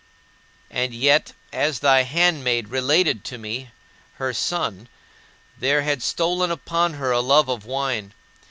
18. And yet, as thy handmaid related to me, her son, there had stolen upon her a love of wine.